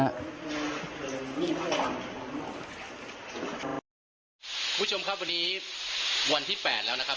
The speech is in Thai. คุณผู้ชมครับวันนี้วันที่๘แล้วนะครับ